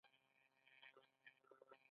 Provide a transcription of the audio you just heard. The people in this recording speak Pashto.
دوی د سیمې یو لوی لوبغاړی دی.